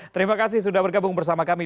terima kasih sudah bergabung bersama kami